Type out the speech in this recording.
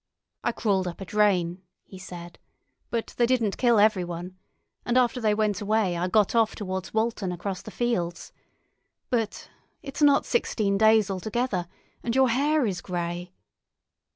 "I crawled up a drain," he said. "But they didn't kill everyone. And after they went away I got off towards Walton across the fields. But—— It's not sixteen days altogether—and your hair is grey."